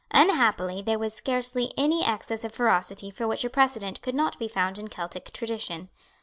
Unhappily there was scarcely any excess of ferocity for which a precedent could not be found in Celtic tradition.